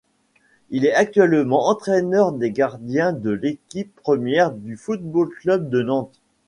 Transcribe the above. Il est actuellement l'entraîneur des gardiens de l'équipe première du Football Club de Nantes.